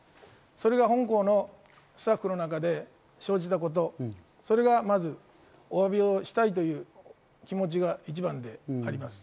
それが本校のスタッフの中で生じたこと、それがまずお詫びをしたいという気持ちが一番であります。